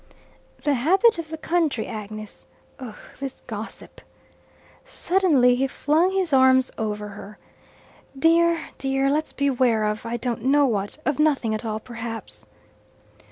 "The habit of the country, Agnes. Ugh, this gossip!" Suddenly he flung his arms over her. "Dear dear let's beware of I don't know what of nothing at all perhaps."